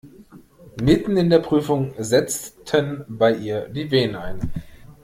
Mitten in der Prüfung setzten bei ihr die Wehen ein.